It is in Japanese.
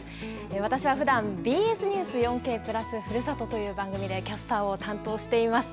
私はふだん、ＢＳニュース４Ｋ＋ふるさとという番組でキャスターを担当しています。